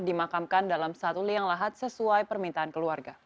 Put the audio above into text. dimakamkan dalam satu liang lahat sesuai permintaan keluarga